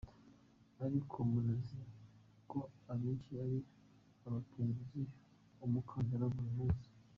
Ariko munazi ko abenshi ari abapunguza umukandara buli munsi.